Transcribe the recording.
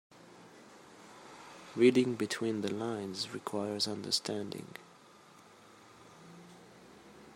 Reading between the lines requires understanding.